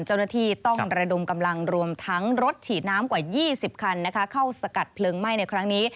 เจ้าหน้าที่ต้องระดมกำลังรวมทั้งรถฉีดน้ำกว่า๒๐คันเข้าสกัดเพลิงไหม้ในครั้งนี้